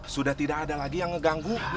sudah tidak ada lagi yang ngeganggu